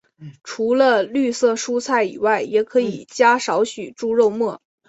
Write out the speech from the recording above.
除了绿色蔬菜以外也可以加少许猪肉末。